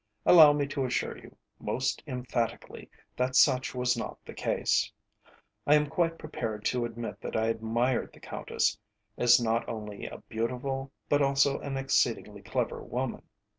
Allow me to assure you, most emphatically, that such was not the case. I am quite prepared to admit that I admired the Countess, as not only a beautiful, but also an exceedingly clever woman.